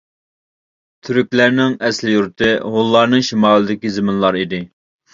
تۈركلەرنىڭ ئەسلى يۇرتى ھونلارنىڭ شىمالىدىكى زېمىنلار ئىدى.